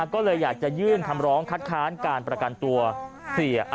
ก็เลยอยากจะยื่นคำร้องคัดค้านการประกันตัวเสีย